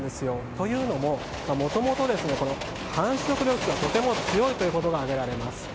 というのも、もともと繁殖力が強いことが挙げられます。